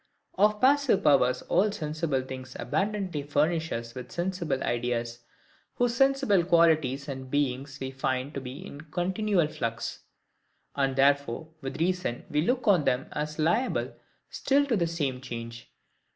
Of passive power all sensible things abundantly furnish us with sensible ideas, whose sensible qualities and beings we find to be in continual flux. And therefore with reason we look on them as liable still to the same change.